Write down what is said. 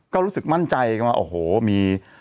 ก็รู้สึกมั่นใจกันว่าโอ้โหมี